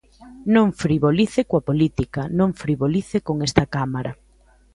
Non frivolice coa política, non frivolice con esta Cámara.